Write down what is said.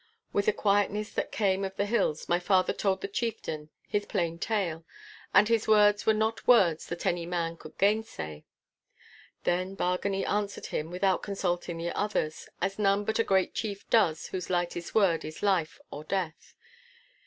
With a quietness that came of the hills my father told the chieftain his plain tale, and his words were not words that any man could gainsay. Then Bargany answered him without consulting the others, as none but a great chief does whose lightest word is life or death.